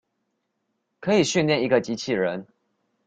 可以訓練一個機器人